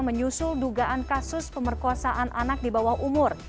menyusul dugaan kasus pemerkosaan anak di bawah umur